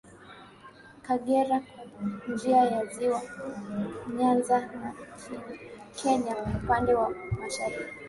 Kagera kwa njia ya Ziwa Nyanza na Kenya upande wa mashariki